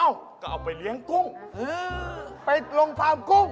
ก็เอาไปเลี้ยงกุ้งไปลงฟาร์มกุ้ง